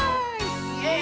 イエーイ！